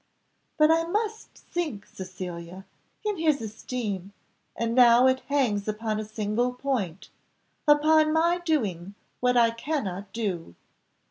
"But I must sink, Cecilia, in his esteem, and now it hangs upon a single point upon my doing what I cannot do."